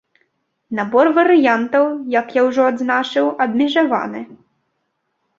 Набор варыянтаў, як я ўжо адзначыў, абмежаваны.